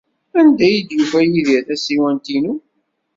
Anda ay yufa Yidir tasiwant-inu?